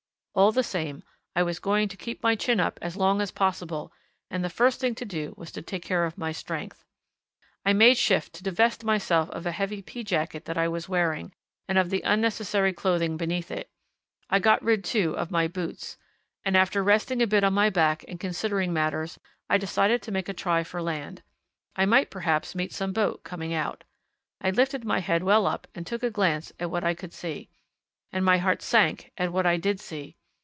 All the same, I was going to keep my chin up as long as possible, and the first thing to do was to take care of my strength. I made shift to divest myself of a heavy pea jacket that I was wearing and of the unnecessary clothing beneath it; I got rid, too, of my boots. And after resting a bit on my back and considering matters, I decided to make a try for land I might perhaps meet some boat coming out. I lifted my head well up and took a glance at what I could see and my heart sank at what I did see!